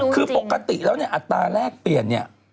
คือปกติแล้วอัตราแลกเปลี่ยน๓๗๑